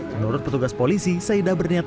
menurut petugas polisi saida berniat